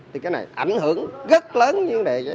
thì cái này ảnh hưởng rất lớn